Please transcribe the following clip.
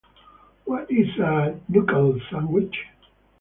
What is a "knuckle sandwich"?